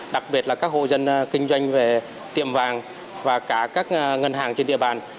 đặc biệt là các hộ dân kinh doanh về tiệm vàng và cả các ngân hàng trên địa bàn